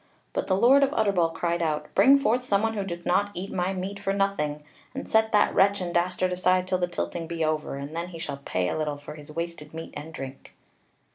But the Lord of Utterbol cried out: "Bring forth some one who doth not eat my meat for nothing: and set that wretch and dastard aside till the tilting be over, and then he shall pay a little for his wasted meat and drink."